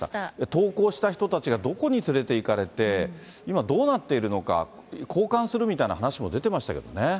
投降した人たちがどこに連れていかれて、今どうなっているのか、交換するみたいな話も出てましたけどもね。